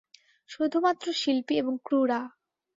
শুধুমাত্র শিল্পী এবং ক্রু রা।